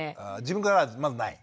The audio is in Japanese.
自分からはまずない？